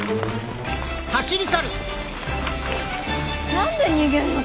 何で逃げんの？